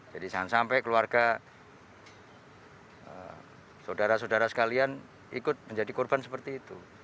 jadi jangan sampai keluarga saudara saudara sekalian ikut menjadi korban seperti itu